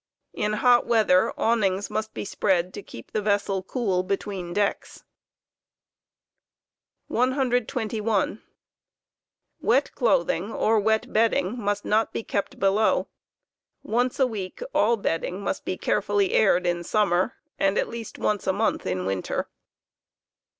In hot weather, awnings must be spread to keep the vessel cool between decks. 121. Wet clothing or wet bedding must not be kept below; once a week all bed car© of boa ding must be careftilly aired in summer, and at least once a month in winter.